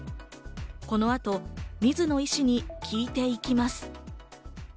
この後、水野医師に聞いていきます。